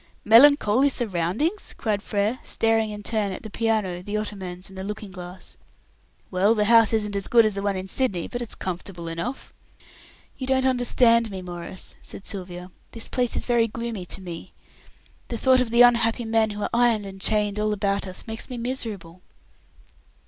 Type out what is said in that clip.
"Melancholy surroundings!" cried Frere, staring in turn at the piano, the ottomans, and the looking glass. "Well, the house isn't as good as the one in Sydney, but it's comfortable enough." "You don't understand me, Maurice," said Sylvia. "This place is very gloomy to me. The thought of the unhappy men who are ironed and chained all about us makes me miserable."